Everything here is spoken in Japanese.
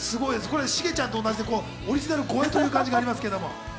シゲちゃんと同じでオリジナル越えという感じがしますが。